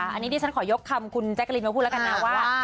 อันนี้ดิฉันขอยกคำคุณแจ๊กกะลินมาพูดแล้วกันนะว่า